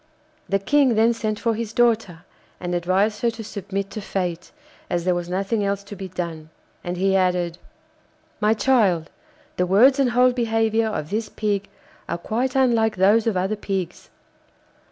The King then sent for his daughter, and advised her to submit to fate, as there was nothing else to be done. And he added: 'My child, the words and whole behaviour of this Pig are quite unlike those of other pigs.